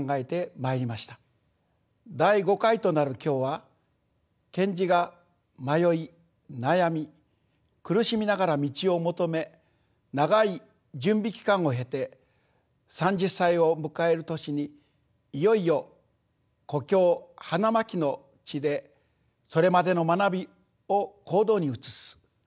第５回となる今日は賢治が迷い悩み苦しみながら道を求め長い準備期間を経て３０歳を迎える年にいよいよ故郷花巻の地でそれまでの学びを行動に移す。